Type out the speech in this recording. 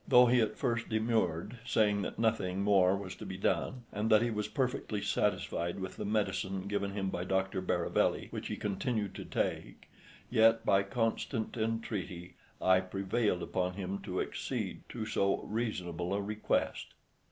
Though he at first demurred, saying that nothing more was to be done, and that he was perfectly satisfied with the medicine given him by Dr. Baravelli, which he continued to take, yet by constant entreaty I prevailed upon him to accede to so reasonable a request.